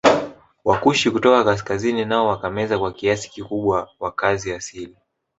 Wakushi kutoka kaskazini nao wakameza kwa kiasi kikubwa wakazi asili